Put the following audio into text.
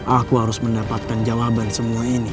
aku harus mendapatkan jawaban semua ini